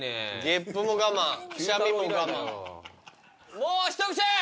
もう一口！